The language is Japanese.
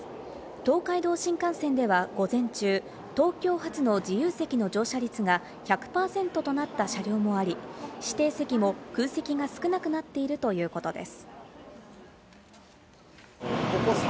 東海道新幹線では午前中、東京発の自由席の乗車率が１００％となった車両もあり、指定席も空席が少なくなっているということです。